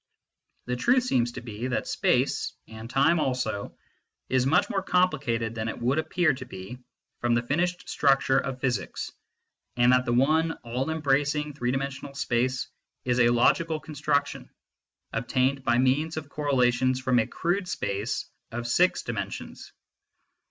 The truth seems to be that space and time also is much more complicated than it would appear to be from the finished structure of physics, and that the one all embracing three dimensional space is a logical construction, obtained by means of correlations from a crude space of six dimensions.